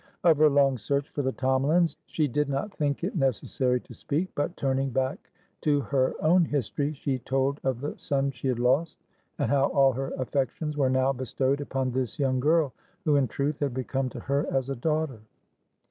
Of her long search for the Tomalins she did not think it necessary to speak; but, turning hack to her own history, she told of the son she had lost, and how all her affections were now bestowed upon this young girl, who in truth had become to her as a daughter.